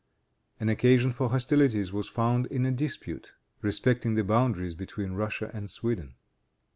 An occasion for hostilities was found in a dispute, respecting the boundaries between Russia and Sweden.